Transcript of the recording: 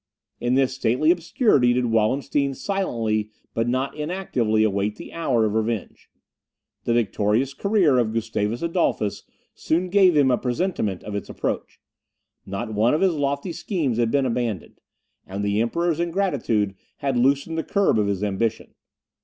In this stately obscurity did Wallenstein silently, but not inactively, await the hour of revenge. The victorious career of Gustavus Adolphus soon gave him a presentiment of its approach. Not one of his lofty schemes had been abandoned; and the Emperor's ingratitude had loosened the curb of his ambition.